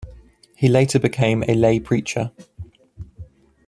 He later became a lay preacher.